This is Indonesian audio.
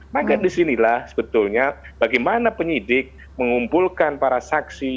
maka disinilah sebetulnya bagaimana penyidik mengumpulkan para saksi